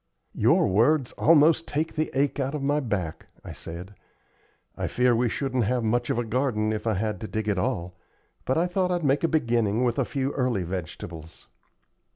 "Your words almost take the ache out of my back," I said. "I fear we shouldn't have much of a garden if I had to dig it all, but I thought I'd make a beginning with a few early vegetables."